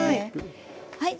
はい。